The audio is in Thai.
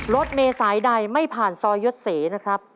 รถเมษายใดไม่ผ่านซอยยศเสนะครับ